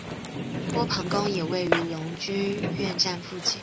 波旁宫也位于荣军院站附近。